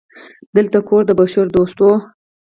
دلته کور د بشردوستو